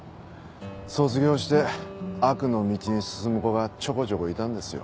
卒業して悪の道に進む子がちょこちょこいたんですよ。